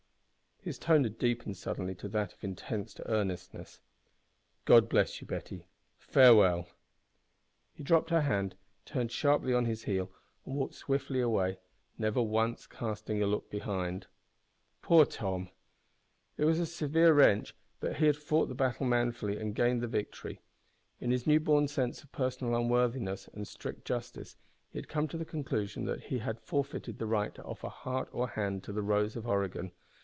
'" (His tone had deepened suddenly to that of intense earnestness) "God bless you, Betty; farewell." He dropped her hand, turned sharply on his heel, and walked swiftly away, never once casting a look behind. Poor Tom! It was a severe wrench, but he had fought the battle manfully and gained the victory. In his new born sense of personal unworthiness and strict Justice, he had come to the conclusion that he had forfeited the right to offer heart or hand to the Rose of Oregon.